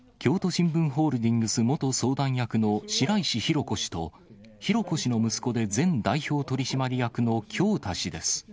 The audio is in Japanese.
新聞ホールディングス元相談役の白石浩子氏と、浩子氏の息子で、前代表取締役の京大氏です。